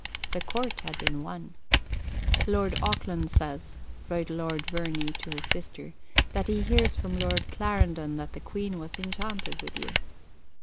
The Court had been won. "Lord Auckland says," wrote Lady Verney to her sister, "that he hears from Lord Clarendon that the Queen was enchanted with you."